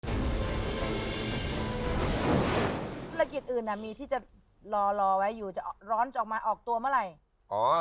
ธุรกิจอื่นมีที่จะร้อนออกตัวเมื่อไหร่